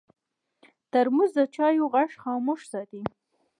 ترموز د چایو غږ خاموش ساتي.